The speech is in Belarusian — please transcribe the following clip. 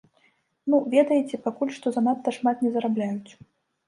Ну ведаеце, пакуль што занадта шмат не зарабляюць.